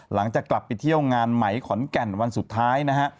หลังจากกลับไปเที่ยวงานไหมขอนแก่นวันสุดท้ายนะฮะ